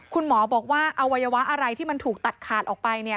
คุณหมอบอกว่าอวัยวะอะไรที่มันถูกตัดขาดออกไปเนี่ย